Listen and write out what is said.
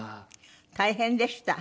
「大変でした。